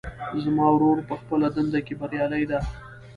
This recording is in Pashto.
زما ورور په خپله دنده کې بریالی ده